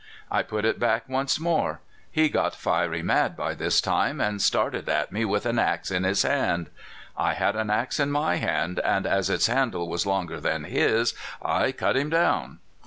I put it back once more. He got fiery mad by this time, and started at me with an ax in his hand. I had an ax in my hand, and as its handle was longer than his, I cut him down."